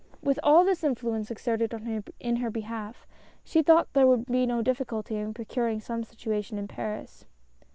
With all this influence exerted in her behalf, she thought there would be no difficulty in procuring some situation in Paris.